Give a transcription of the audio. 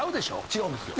違うんですよ。